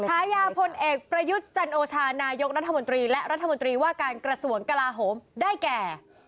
ฉายาพลเอกประยุทธ์จันโอชานายกรัฐมนตรีและรัฐมนตรีว่าการกระทรวงกลาโหมได้แก่